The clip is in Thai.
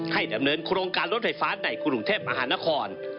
ดำเนินโครงการรถไฟฟ้าในกรุงเทพมหานคร